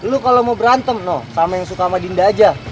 lu kalau mau berantem no sama yang suka sama dinda aja